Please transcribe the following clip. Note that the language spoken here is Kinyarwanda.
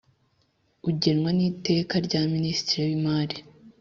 ugenwa n'Iteka rya Minisitiri w'Imari.